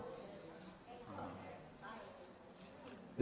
ว่าเกราะการเด็กนาน